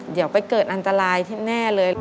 เดี๋ยวไปเกิดอันตรายที่แน่เลย